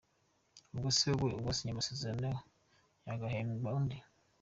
Ubwo se wowe wasinya amasezerano hagahembwa undi.